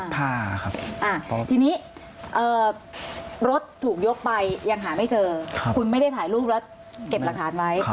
ทีนี้รถถึงยกไปยังหาไม่เจอคุณไม่ได้ถ่ายรุ่นแล้วเก็บประทานไหม